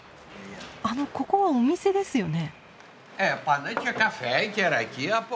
あのここはお店ですよね？